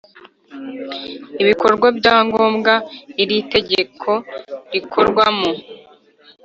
Ibikorwa bya ngombwa iri tegeko rikorwamo